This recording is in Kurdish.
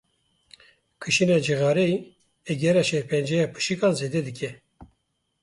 Kişîna cixareyê, egera şêrpenceya pişikan zêde dike.